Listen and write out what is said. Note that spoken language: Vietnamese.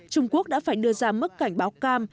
trung quốc đã phải đưa ra mức cảnh báo cam